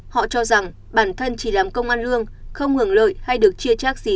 họ cho rằng bản thân chỉ làm công an lương không hưởng lợi hay được chia trác gì